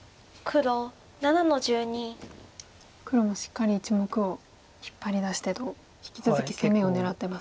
黒もしっかり１目を引っ張り出してと引き続き攻めを狙ってますか。